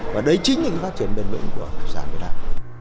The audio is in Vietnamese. và đấy chính là phát triển bền bệnh của sản biệt đại